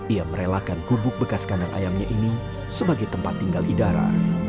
ia merelakan gubuk bekas kandang ayamnya ini sebagai tempat tinggal idara